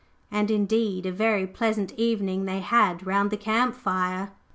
And, indeed, a very pleasant evening they had round the camp fire.